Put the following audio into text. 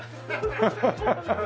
ハハハハ。